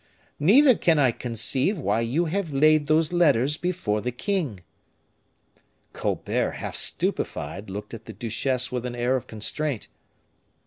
Neither can I conceive why you have laid those letters before the king." Colbert, half stupefied, looked at the duchesse with an air of constraint.